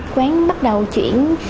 quán bắt đầu chuyển